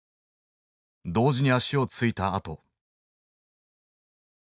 同時に足を着いたあと。